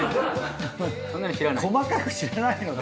細かく知らないので。